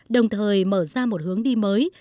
đồng thời mở ra một hướng đi mới